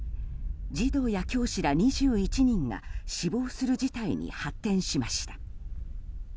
児童や教師ら２１人が死亡する事態に発展しました。